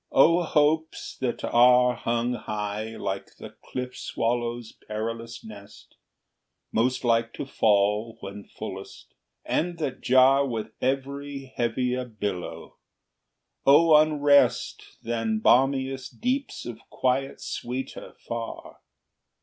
O hopes that are Hung high, like the cliff swallow's perilous nest, Most like to fall when fullest, and that jar With every heavier billow! O unrest Than balmiest deeps of quiet sweeter far!